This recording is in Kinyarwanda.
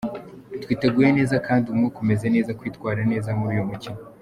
Twiteguye neza kandi umwuka umeze neza kwitwara neza muri uyu mukino.